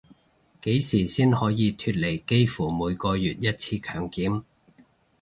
幾時先可以脫離幾乎每個月一次強檢